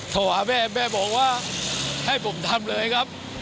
โทรหาแม่แม่บอกว่าให้ผมทำเลยครับ